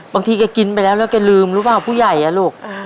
บางทีแกกินไปแล้วแล้วแกลืมหรือเปล่าผู้ใหญ่อ่ะลูก